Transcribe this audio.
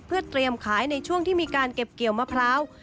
เพื่อเตรียมขายในช่วงที่มีการเก็บเกี่ยวมะพร้าว